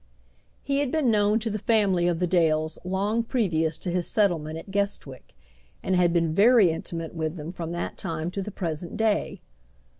He had been known to the family of the Dales long previous to his settlement at Guestwick, and had been very intimate with them from that time to the present day.